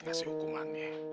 nggak sih hukumannya